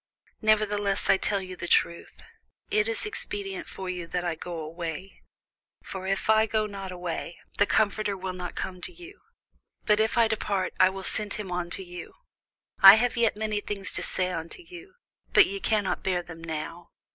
Nevertheless I tell you the truth; It is expedient for you that I go away: for if I go not away, the Comforter will not come unto you; but if I depart, I will send him unto you. I have yet many things to say unto you, but ye cannot bear them now.